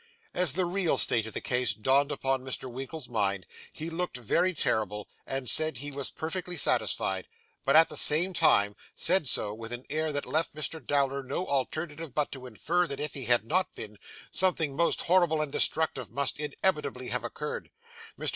As the real state of the case dawned upon Mr. Winkle's mind, he looked very terrible, and said he was perfectly satisfied; but at the same time, said so with an air that left Mr. Dowler no alternative but to infer that if he had not been, something most horrible and destructive must inevitably have occurred. Mr.